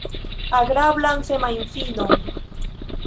Agrablan semajnfinon!